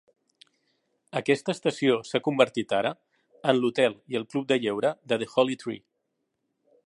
Aquesta estació s'ha convertit ara en l'hotel i club de lleure The Holly Tree.